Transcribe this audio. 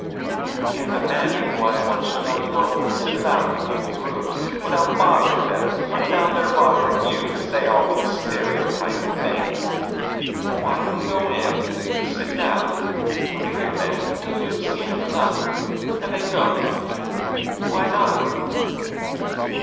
I can't imagine why one should not go and sit about in people's rooms, without bothering them and without their bothering you to say all these stereotyped things. Quietly go in, sit down, look at your man until you have seen him enough, and then go. Why not?